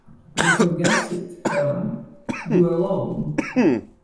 You have guessed it, Helene — you alone.